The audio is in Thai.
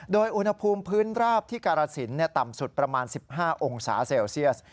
โดยอุณหภูมิพื้นราบที่กรสินต่ำสุดประมาณ๑๕องศาเซลเซียส